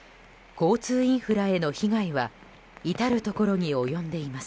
交通インフラへの被害は至るところに及んでいます。